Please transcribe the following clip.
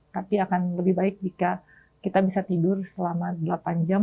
tapi akan lebih baik jika kita bisa tidur selama delapan jam